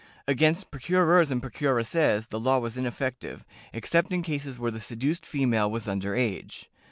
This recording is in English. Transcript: Against procurers and procuresses the law was ineffective, except in cases where the seduced female was under age.